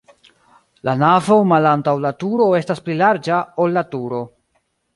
La navo malantaŭ la turo estas pli larĝa, ol la turo.